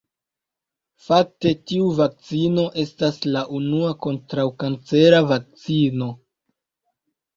Fakte, tiu vakcino estas la unua kontraŭkancera vakcino.